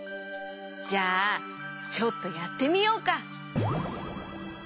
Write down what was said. じゃあちょっとやってみようか。